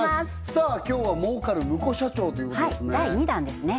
さあ今日は儲かるムコ社長ということですね